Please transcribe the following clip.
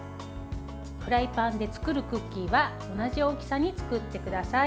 フライパンで作るクッキーは同じ大きさに作ってください。